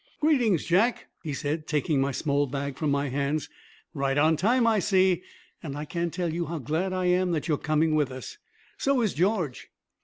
"Greetings, Jack," he said, taking my small bag from my hands. "Right on time, I see. And I can't tell you how glad I am that you are coming with us. So is George."